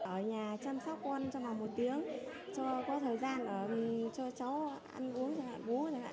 ở nhà chăm sóc con trong một tiếng cho có thời gian cho cháu ăn uống cho bú